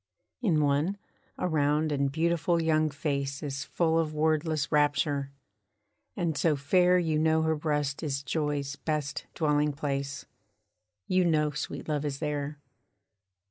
In one, a round and beautiful young face Is full of wordless rapture; and so fair You know her breast is joy's best dwelling place; You know sweet love is there.